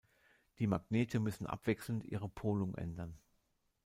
Die Magnete müssen abwechselnd ihre Polung ändern.